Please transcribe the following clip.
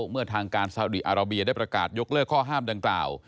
เมื่อทางการซาวดีอาราเบียได้ประกาศยกเลิกข้อห้ามดังกล่าว